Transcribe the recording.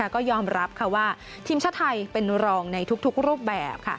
ก็ยอมรับว่าทีมชาติไทยเป็นรองในทุกรูปแบบ